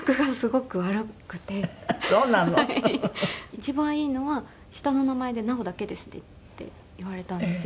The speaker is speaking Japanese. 一番いいのは下の名前で「なお」だけですねって言われたんですよ。